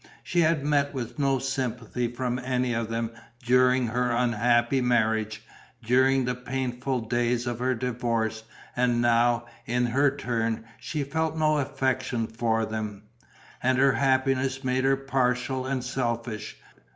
She had met with no sympathy from any of them during her unhappy marriage, during the painful days of her divorce; and now, in her turn, she felt no affection for them. And her happiness made her partial and selfish.